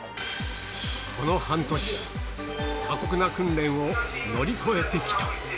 この半年、過酷な訓練を乗り越えてきた。